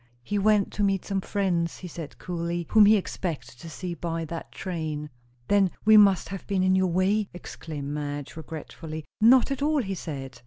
He went to meet some friends, he said coolly, whom he expected to see by that train. "Then we must have been in your way," exclaimed Madge regretfully. "Not at all," he said.